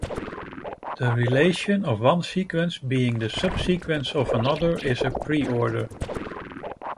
The relation of one sequence being the subsequence of another is a preorder.